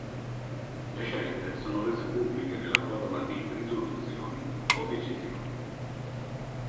Le scelte sono rese pubbliche nella forma di "risoluzioni" o "decisioni".